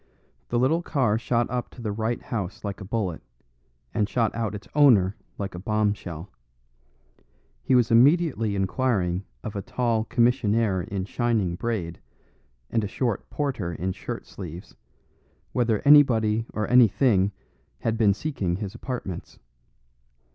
The little car shot up to the right house like a bullet, and shot out its owner like a bomb shell. He was immediately inquiring of a tall commissionaire in shining braid, and a short porter in shirt sleeves, whether anybody or anything had been seeking his apartments.